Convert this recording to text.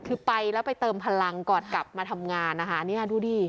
คือไปแล้วไปเติมพลังก่อนกลับมาทำงานนะคะเนี่ยดูดิ